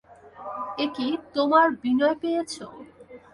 এ কি তোমার বিনয় পেয়েছ?